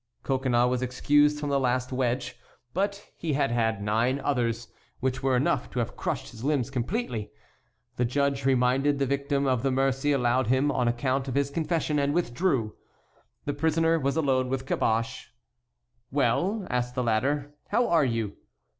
Coconnas was excused from the last wedge; but he had had nine others, which were enough to have crushed his limbs completely. The judge reminded the victim of the mercy allowed him on account of his confession, and withdrew. The prisoner was alone with Caboche. "Well," asked the latter, "how are you?"